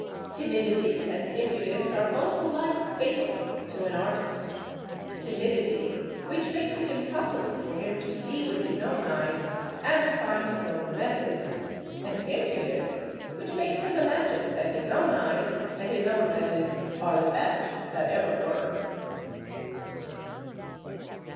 Timidity and impudence are both alike fatal to an artist: timidity, which makes it impossible for him to see with his own eyes, and find his own methods; and impudence, which makes him imagine that his own eyes, and his own methods, are the best that ever were.